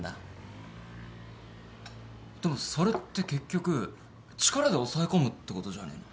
でもそれって結局力で抑え込むってことじゃねえの？